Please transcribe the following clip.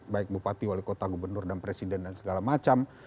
baik bupati wali kota gubernur dan presiden dan segala macam